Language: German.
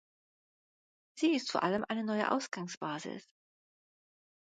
Sie ist vor allem eine neue Ausgangsbasis.